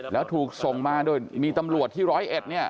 แล้วถูกส่งมาด้วยมีตำรวจที่ร้อยเอ็ด